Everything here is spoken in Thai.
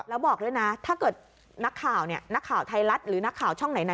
แล้วบอกด้วยนะถ้าเกิดนักข่าวเนี่ยนักข่าวไทยรัฐหรือนักข่าวช่องไหน